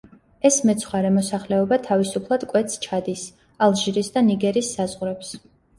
ეს მეცხვარე მოსახლეობა თავისუფლად კვეთს ჩადის, ალჟირის და ნიგერის საზღვრებს.